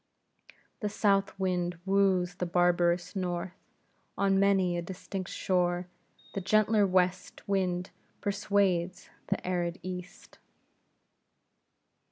The south wind wooes the barbarous north; on many a distant shore the gentler west wind persuades the arid east.